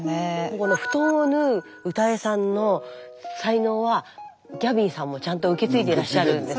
この布団を縫うウタエさんの才能はギャビンさんもちゃんと受け継いでらっしゃるんですね。